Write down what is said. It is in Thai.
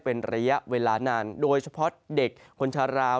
เป็นระยะเวลานานโดยเฉพาะเด็กคนชาราว